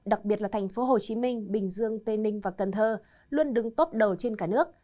đặc biệt là thành phố hồ chí minh bình dương tây ninh và cần thơ luôn đứng tốp đầu trên cả nước